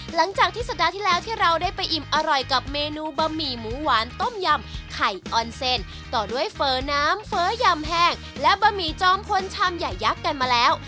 หลังจากที่สัปดาห์ที่แล้วที่เราได้ไปอิ่มอร่อยกับเมนูบะหมี่หมูหวานต้มยำไข่ออนเซนต่อด้วยเฟ้อน้ำเฟ้อยำแห้งและบะหมี่จอมพลชามใหญ่ยักษ์กันมาแล้ว